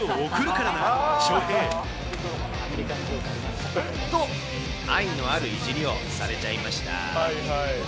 請求書を送るからな、ショウと、愛のあるいじりをされちゃいました。